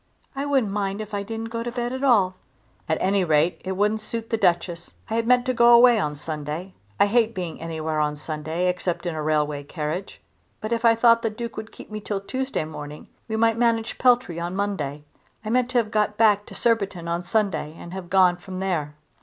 "I wouldn't mind if I didn't go to bed at all." "At any rate it wouldn't suit the Duchess. I had meant to go away on Sunday. I hate being anywhere on Sunday except in a railway carriage. But if I thought the Duke would keep me till Tuesday morning we might manage Peltry on Monday. I meant to have got back to Surbiton's on Sunday and have gone from there."